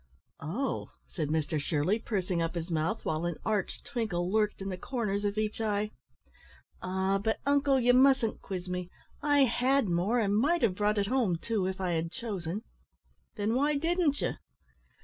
"Oh!" said Mr Shirley, pursing up his mouth, while an arch twinkle lurked in the corners of each eye. "Ah! but, uncle, you mustn't quiz me. I had more, and might have brought it home too, if I had chosen." "Then why didn't you?"